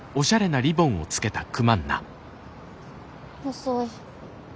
遅い。